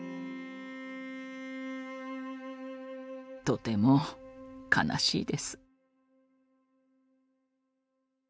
とても悲しいです。